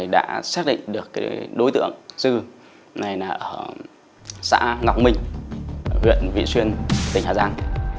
đã xác định được đối tượng dư ở xã ngọc minh huyện vị xuyên tỉnh hà giang